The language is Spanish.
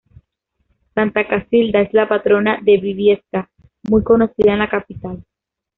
Santa Casilda es la patrona de Briviesca, muy conocida en la capital.